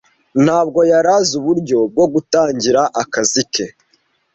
Ntabwo yari azi uburyo bwo gutangira akazi ke.